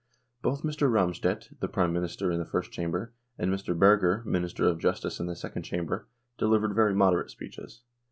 Both Mr. Ramstedt, the Prime Minister in the First Chamber, and Mr. Berger, Minister of Justice in the Second Chamber, delivered very moderate speeches.